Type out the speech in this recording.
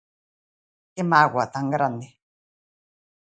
Que mágoa tan grande.